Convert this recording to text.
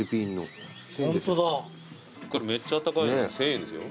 これめっちゃあったかいのに１，０００円ですよ。